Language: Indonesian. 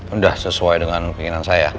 udah sesuai dengan penginginan saya ya